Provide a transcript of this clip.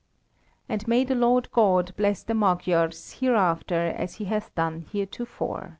And may the Lord God bless the Magyars hereafter as He hath done heretofore.